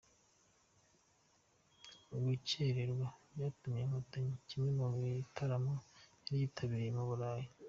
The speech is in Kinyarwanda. Gukererwa byatumye nkotanyi kimwe mu bitaramo yari yitabiriye mu Burayi